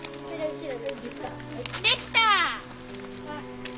できた！